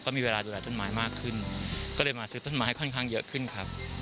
มีเวลาดูแลต้นไม้มากขึ้นก็เลยมาซื้อต้นไม้ค่อนข้างเยอะขึ้นครับ